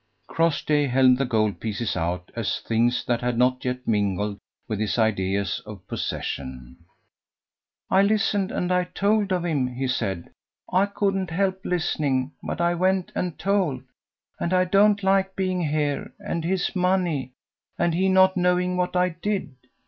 Crossjay held the gold pieces out as things that had not yet mingled with his ideas of possession. "I listened, and I told of him," he said. "I couldn't help listening, but I went and told; and I don't like being here, and his money, and he not knowing what I did.